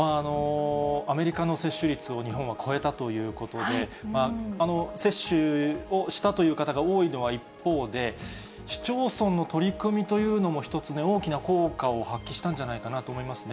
アメリカの接種率を日本は超えたということで、接種をしたという方が多いのは一方で、市町村の取り組みというのも一つ、大きな効果を発揮したんじゃないかなと思いますね。